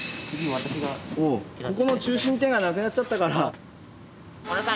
ここの中心点がなくなっちゃったから。